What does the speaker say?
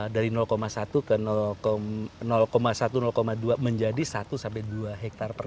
dari satu ke satu dua menjadi satu sampai dua hektar per kakak